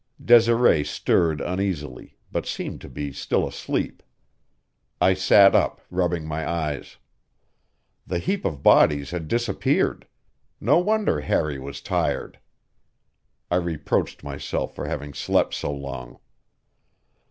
Desiree stirred uneasily, but seemed to be still asleep. I sat up, rubbing my eyes. The heap of bodies had disappeared; no wonder Harry was tired! I reproached myself for having slept so long.